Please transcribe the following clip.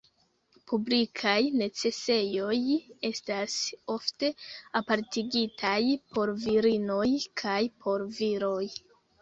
Publikaj necesejoj estas ofte apartigitaj por virinoj kaj por viroj.